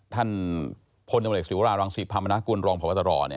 ท่านพลธรรมเดชน์ศิวรารังศิพธรรมนาคุณรองภวตร